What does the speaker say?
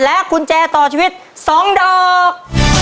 และคุณแจต่อชีวิต๒ดอก